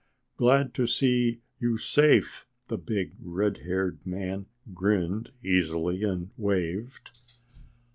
"Glad to see you safe!" The big redhaired man grinned easily, and waved.